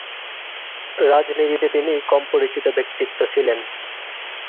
রাজনীতিতে তিনি কম পরিচিত ব্যক্তিত্ব ছিলেন।